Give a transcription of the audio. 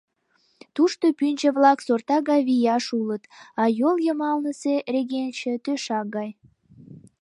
Тушто пӱнчӧ-влак сорта гай вияш улыт, а йол йымалнысе регенче — тӧшак гай.